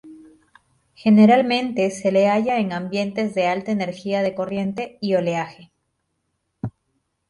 Generalmente se le halla en ambientes de alta energía de corriente y oleaje.